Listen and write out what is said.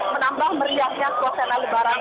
menambah meriahnya suasana lebaran